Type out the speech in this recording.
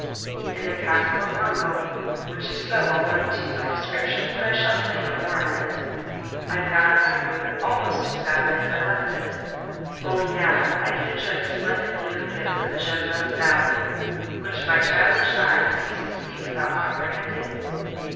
In the Castle of Maucombe, which is so well known to you by description that I shall say no more of it, I found my room almost exactly as I left it; only now I can enjoy the splendid view it gives of the Gemenos valley, which my childish eyes used to see without comprehending.